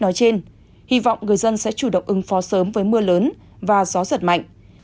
nói trên hy vọng người dân sẽ chủ động ứng phó sớm với mưa lớn và gió giật mạnh